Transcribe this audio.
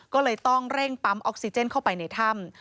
ก็เลยต้องเร่งปั๊มออกซิเจนเข้าไปในถ้ำ